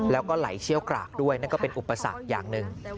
แล้วก็ไหลเชี่ยวกรากด้วยนั่นก็เป็นอุปสรรคอย่างหนึ่ง